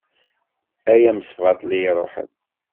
Ay amesbaṭli iṛuḥen.